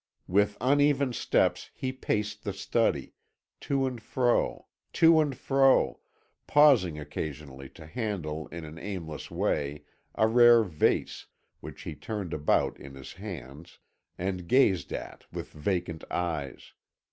With uneven steps he paced the study, to and fro, to and fro, pausing occasionally to handle in an aimless way a rare vase, which he turned about in his hands, and gazed at with vacant eyes.